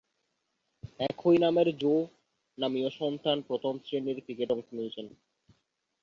একই নামের জো নামীয় সন্তান প্রথম-শ্রেণীর ক্রিকেটে অংশ নিয়েছেন।